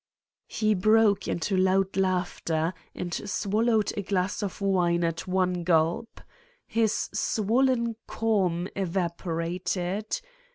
He broke into loud laughter and swallowed a glass of wine at one gulp. His swollen calm evap orated.